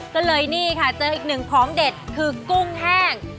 ก็เลยนี่ค่ะเจออีกหนึ่งของเด็ดคือกุ้งแห้ง